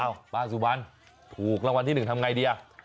เอ้าป้าสุวรรณถูกรางวัลที่หนึ่งทำไงดี